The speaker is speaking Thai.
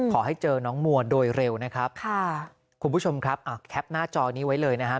ขอให้เจอน้องมัวโดยเร็วนะครับค่ะคุณผู้ชมครับอ่ะแคปหน้าจอนี้ไว้เลยนะครับ